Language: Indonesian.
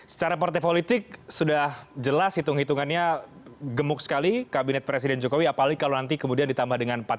secara partai politik sudah jelas hitung hitungannya gemuk sekali kabinet presiden jokowi apalagi kalau nanti kemudian ditambah dengan empat